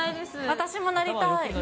私もなりたい。